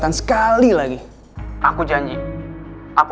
tuhan kotakan suhu